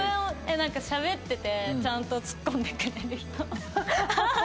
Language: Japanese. なんかしゃべっててちゃんとツッコんでくれる人。